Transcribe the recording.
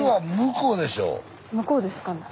向こうですかね。